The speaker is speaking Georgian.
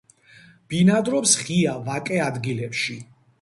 ბინადრობს ღია ვაკე ადგილებში.